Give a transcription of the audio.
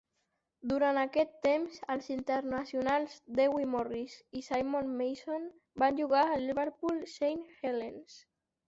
Durant aquest temps els internacionals Dewi Morris i Simon Mason van jugar al Liverpool Saint Helens.